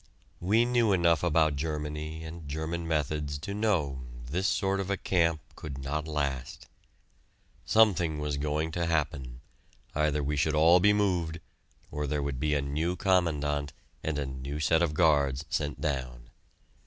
We knew enough about Germany and German methods to know this sort of a camp could not last. Something was going to happen; either we should all be moved, or there would be a new Commandant and a new set of guards sent down.